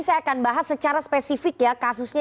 saya akan bahas secara spesifik ya kasusnya